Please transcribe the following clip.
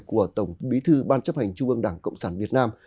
của tổng bí thư ban chấp hành trung ương đảng cộng sản việt nam